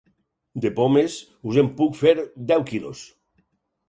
De pomes, us en puc fer deu quilos.